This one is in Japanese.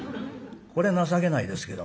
これ情けないですけどもね。